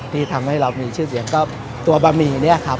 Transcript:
ที่ทำให้เรามีชื่อเสียงก็ตัวบะหมี่เนี่ยครับ